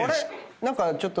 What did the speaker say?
何かちょっと。